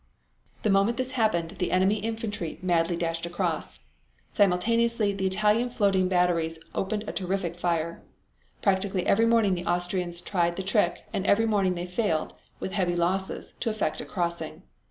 The moment this happened, the enemy infantry madly dashed across. Simultaneously the Italian floating batteries opened a terrific fire. Practically every morning the Austrians tried the trick, and every morning they failed, with heavy losses, to effect a crossing.